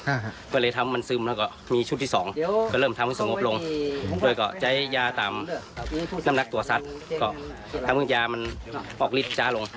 อ่าฮะก็เลยทำมันซึมแล้วก็มีชุดที่สองก็เริ่มทำให้สงบลงด้วยก็ใช้ยาตามน้ำหนักตัวซัดก็ทำให้ยามันออกฤทธิ์ลง